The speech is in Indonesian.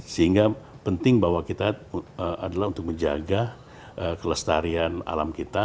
sehingga penting bahwa kita adalah untuk menjaga kelestarian alam kita